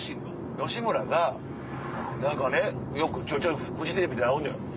吉村が何かねちょいちょいフジテレビで会うのよ。